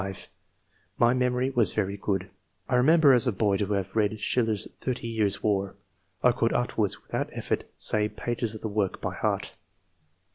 '* My memory was very good. I remember as a boy, to have read Schiller's ' Thirty Years' II.] QUALITIES. Ill War;/ I could afterwards without effort, say pages of the work by heart."